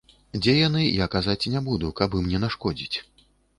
Дзе яны, я казаць не буду, каб ім не нашкодзіць.